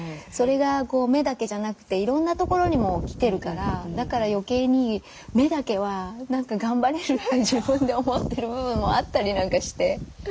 それが目だけじゃなくていろんなところにも来てるからだから余計に目だけは何か頑張れるって自分で思ってる部分もあったりなんかして。